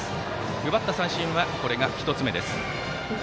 奪った三振はこれが１つ目です。